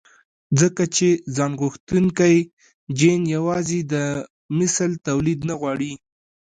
ځکه چې ځانغوښتونکی جېن يوازې د مثل توليد نه غواړي.